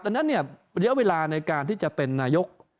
ฉะนั้นนี่เวลาในการที่จะเป็นนายก